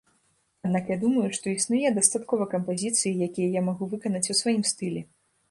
Аднак я думаю, што існуе дастаткова кампазіцый, якія я магу выканаць у сваім стылі.